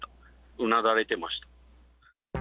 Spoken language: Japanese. うなだれてました。